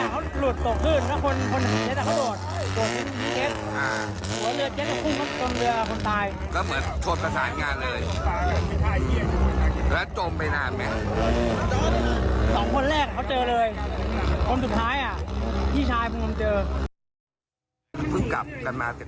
๒คนแรกเขาเจอเลยคนสุดท้ายอ่ะพี่ชายพวกมันเจอ